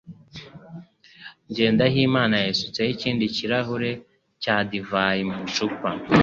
Jyendayimana yisutseho ikindi kirahure cya divayi mu icupa